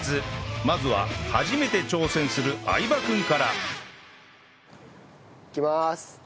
まずは初めて挑戦する相葉君からいきまーす。